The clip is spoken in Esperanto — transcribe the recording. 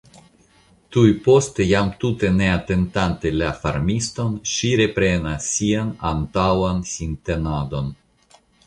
Tuj poste jam tute ne atentante la farmiston, ŝi reprenas sian antaŭan sintenadon.